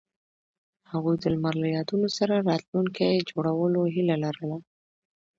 هغوی د لمر له یادونو سره راتلونکی جوړولو هیله لرله.